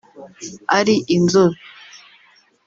ari inzobe